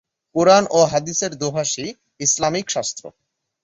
কুরআন ও হাদীস এর দোভাষী, ইসলামিক শাস্ত্র।